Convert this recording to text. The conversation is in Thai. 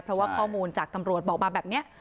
เพราะว่าข้อมูลจากตำรวจบอกมาแบบนี้